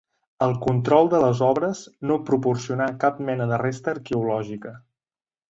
El control de les obres no proporcionà cap mena de resta arqueològica.